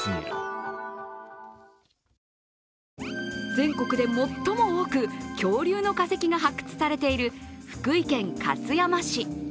全国で最も多く恐竜の化石が発掘されている福井県勝山市。